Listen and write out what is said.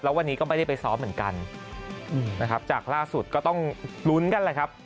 วันนี้ก็ไม่ได้ไปซ้อมเหมือนกันนะครับจากล่าสุดก็ต้องลุ้นกันแหละครับ